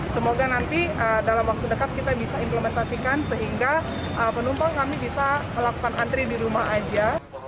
semoga nanti dalam waktu dekat kita bisa implementasikan sehingga penumpang kami bisa melakukan antri di rumah aja